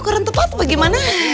keren tepat apa gimana